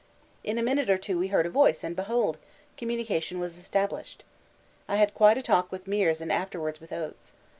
In a minute or two we heard a voice, and behold! communication was established. I had quite a talk with Meares and afterwards with Oates.